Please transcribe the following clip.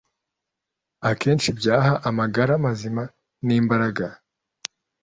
akenshi byaha amagara mazima nimbaraga